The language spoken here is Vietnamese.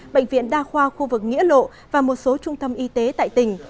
bệnh viện đa khoa khu vực nghĩa lộ và một số trung tâm y tế tại tỉnh